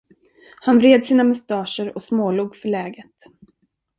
Han vred sina mustascher och smålog förläget.